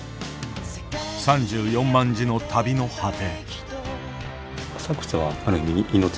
３４万字の旅の果て。